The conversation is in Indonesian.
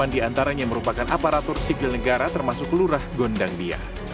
delapan di antaranya merupakan aparatur sipil negara termasuk kelurah gondangdia